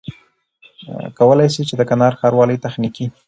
کولای سي چي د کندهار ښاروالۍ تخنيکي